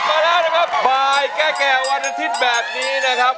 มาแล้วนะครับบ่ายแก่วันอาทิตย์แบบนี้นะครับ